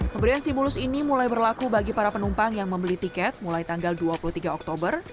pemberian stimulus ini mulai berlaku bagi para penumpang yang membeli tiket mulai tanggal dua puluh tiga oktober